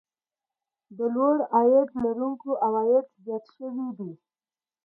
د لوړ عاید لرونکو عوايد زیات شوي دي